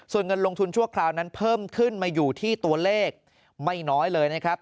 ส่วนเงินลงทุนชั่วคราวนั้นเพิ่มขึ้นมาอยู่ที่ตัวเลขไม่น้อยเลยนะครับ